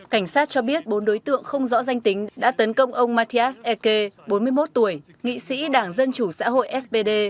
cảnh sát cho biết bốn đối tượng không rõ danh tính đã tấn công ông matthias eki bốn mươi một tuổi nghị sĩ đảng dân chủ xã hội spd